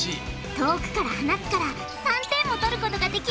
遠くから放つから３点も取ることができるんだ。